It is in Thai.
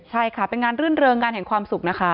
ใช่ค่ะเป็นงานเรื่องการเห็นความสุขนะคะ